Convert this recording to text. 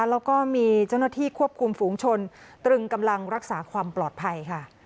แล้วก็มีเจ้าหน้าที่ควบคุมฝูงชนตรึงกำลังรักษาความปลอดภัยค่ะ